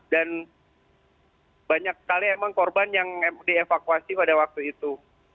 dan banyak sekali memang korban yang dievakuasi pada waktu itu